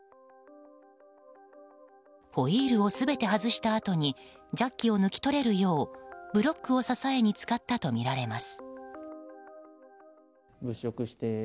ホイールを全て外したあとにジャッキを抜き取れるようブロックを支えに使ったとみられます。